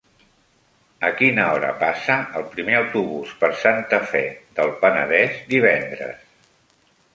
A quina hora passa el primer autobús per Santa Fe del Penedès divendres?